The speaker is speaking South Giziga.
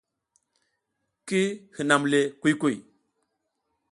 Ki hinam le kuy kuy.